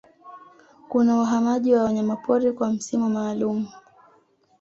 Kuna Uhamaji wa Wanyamapori kwa msimu maalumu